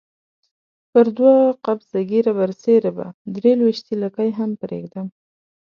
پر دوه قبضه ږیره برسېره به درې لويشتې لکۍ هم پرېږدم.